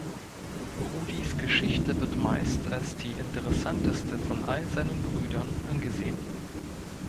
Rudis Geschichte wird meist als die interessanteste von all seinen Brüdern angesehen.